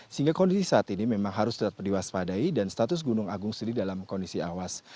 sehingga kondisi saat ini memang harus tetap diwaspadai dan status gunung agung sendiri dalam kondisi awas